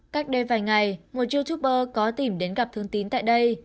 cách đây vài ngày một youtuber có tìm đến gặp thương tín tại đây